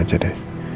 gak aja deh